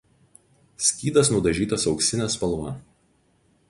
Skydas nudažytas auksine spalva.